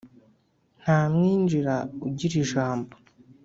Nta mwinjira ugira ijambo.